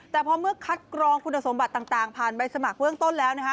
แต่พอเมื่อคัดกรองคุณสมบัติต่างผ่านใบสมัครเบื้องต้นแล้วนะคะ